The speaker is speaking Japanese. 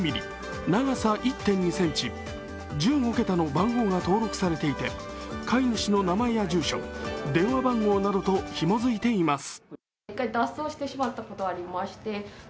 長さ１．２ｃｍ１５桁の番号が登録されていて飼い主の名前や住所、電話番号などとひも付いています。